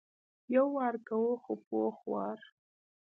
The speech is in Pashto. یو وار کوو خو پوخ وار.